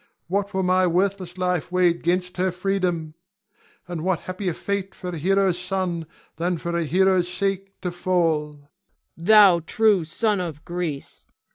What were my worthless life weighed 'gainst her freedom. And what happier fate for a hero's son than for a hero's sake to fall! Cleon. Thou true son of Greece!